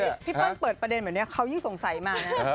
พี่ปั๊นเปิดประเด็นเหมือนเดียวเขายิ่งสงสัยมา